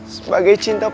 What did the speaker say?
sebagai cinta lo